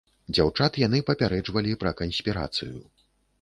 Дзяўчат яны папярэджвалі пра канспірацыю.